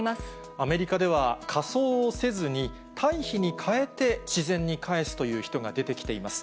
アメリカでは、火葬をせずに堆肥に変えて自然にかえすという人が出てきています。